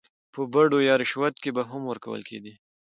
په بډو يا رشوت کې به هم ورکول کېدې.